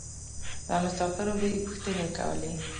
له مسافرو به یې پوښتنې کولې.